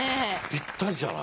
ぴったりじゃない。